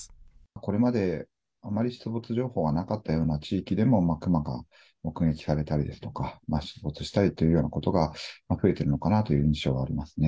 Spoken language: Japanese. これまであまり出没情報がなかったような地域でもクマが目撃されたりですとか、出没したりというようなことが増えてるのかなという印象はありますね。